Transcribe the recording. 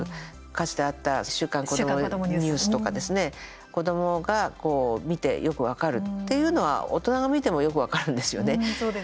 かつてあった「週刊こどもニュース」とかですね、子どもが見てよく分かるっていうのは大人が見てもよく分かるんですよね。